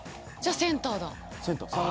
センターや。